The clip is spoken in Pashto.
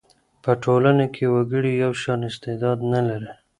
په ټولنه کي وګړي یو شان استعداد نه لري.